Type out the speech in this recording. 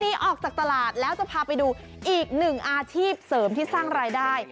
หนีออกจากตลาดแล้วจะพาไปดูอีกหนึ่งอาชีพเสริมที่สร้างรายได้